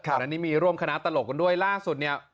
และนี่มีร่วมคณะตลกกันด้วยล่าสุดเนี่ย